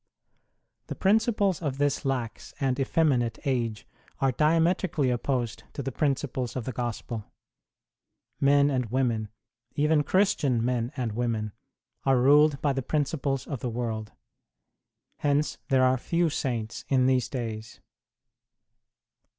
The principles of this lax and effeminate age are diametrically opposed to the principles of the Gospel ; men and women, even Christian men and women, are ruled by the principles of the world ; hence are there few saints in these days.